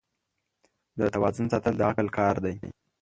د توازن ساتل د عقل کار دی.